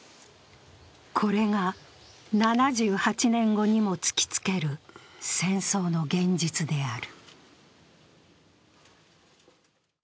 これが７８年後にも突きつける戦争の現実である。